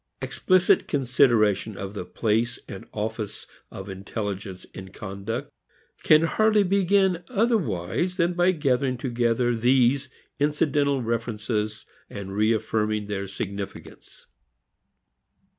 Explicit consideration of the place and office of intelligence in conduct can hardly begin otherwise than by gathering together these incidental references and reaffirming their significance.